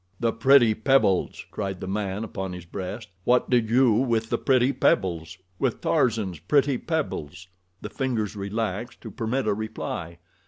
"The pretty pebbles?" cried the man upon his breast. "What did you with the pretty pebbles—with Tarzan's pretty pebbles?" The fingers relaxed to permit a reply.